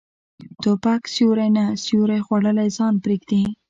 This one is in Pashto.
توپک سیوری نه، سیوری خوړلی ځای پرېږدي.